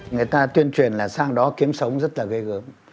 người ta tuyên truyền là sang đó kiếm sống rất là ghê gớm